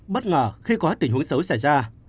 bất ngờ khi có tình huống xấu xảy ra